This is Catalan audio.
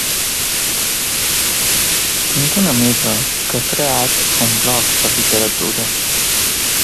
Tinc una amiga que ha creat un blog de literatura.